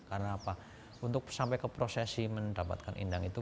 karena apa untuk sampai ke prosesi mendapatkan indang itu